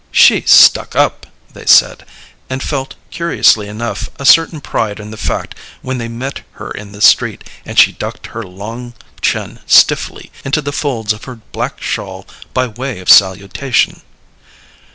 "She's stuck up," they said, and felt, curiously enough, a certain pride in the fact when they met her in the street and she ducked her long chin stiffly into the folds of her black shawl by way of salutation.